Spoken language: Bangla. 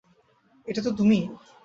এটা তো তুমিই।